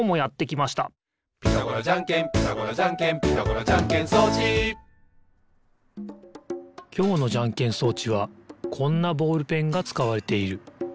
きょうのじゃんけん装置はこんなボールペンがつかわれている。